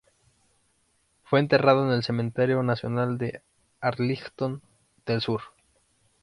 Fue enterrado en el Cementerio Nacional de Arlington del Sur.